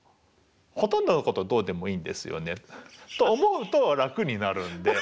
ほとんどのことどうでもいいんですよねと思うと楽になるんで。